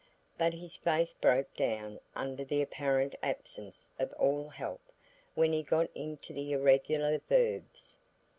But his faith broke down under the apparent absence of all help when he got into the irregular verbs.